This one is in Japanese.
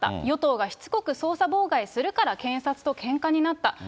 与党がしつこく捜査妨害するから検察とけんかになった。